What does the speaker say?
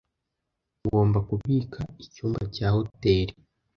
Ngomba kubika icyumba cya hoteri .